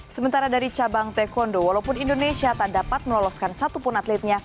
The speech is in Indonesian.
sementara dari cabang taekwondo walaupun indonesia tak dapat meloloskan satupun atletnya